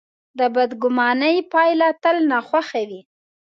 د بدګمانۍ پایله تل ناخوښه وي.